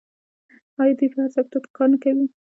آیا دوی په هر سکتور کې کار نه کوي؟